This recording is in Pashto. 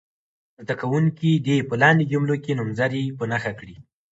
زده کوونکي دې په لاندې جملو کې نومځري په نښه کړي.